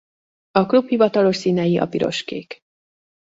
A klub hivatalos színei a piros-kék.